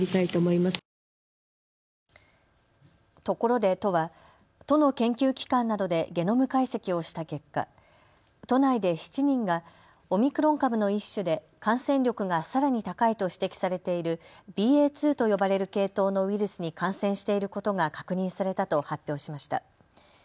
ところで、都は都の研究機関などでゲノム解析をした結果、都内で７人がオミクロン株の一種で感染力がさらに高いと指摘されているＢＡ．２と呼ばれる系統のウイルスに感染していることが確認されたと発表しました。